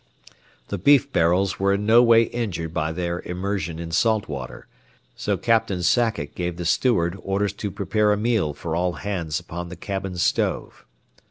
The beef barrels were in no way injured by their immersion in salt water, so Captain Sackett gave the steward orders to prepare a meal for all hands upon the cabin stove.